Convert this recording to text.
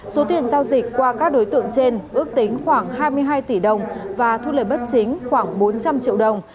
số tiền giao dịch qua các đối tượng trên ước tính khoảng hai mươi hai tỷ đồng và thu lời bất chính khoảng bốn trăm linh triệu đồng